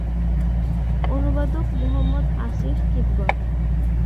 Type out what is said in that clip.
অনুবাদক মুহাম্মদ আসিফ কিদওয়া।